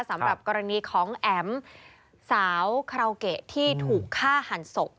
สำหรับกรณีของแอ๋มสาวคาราโอเกะที่ถูกฆ่าหันศพ